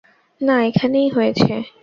না, এখানেই হয়েছে।